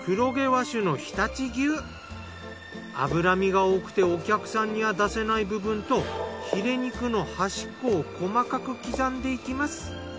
脂身が多くてお客さんには出せない部分とヒレ肉の端っこを細かく刻んでいきます。